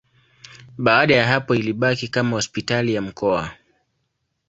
Baada ya hapo ilibaki kama hospitali ya mkoa.